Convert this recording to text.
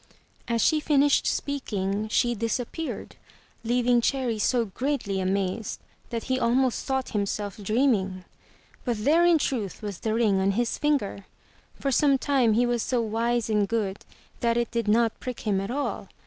As she finished speaking, she disappeared, leaving Cherry so greatly amazed that he almost thought himself dreaming. But there in truth was the ring on his finger. For some time he was so wise and good that it did not prick him at all.